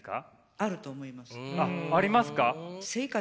あっありますか？